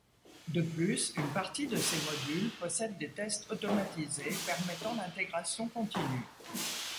De plus, une partie de ces modules possèdent des tests automatisés permettant l'intégration continue.